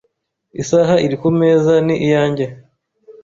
Isaha iri kumeza ni iyanjye .